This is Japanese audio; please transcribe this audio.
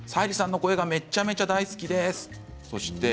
沙莉さんの声がめちゃめちゃ大好きです。